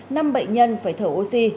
nguy kịch năm bệnh nhân phải thở oxy